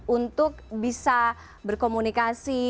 untuk bisa berkomunikasi